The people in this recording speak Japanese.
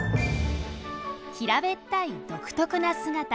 平べったい独特な姿。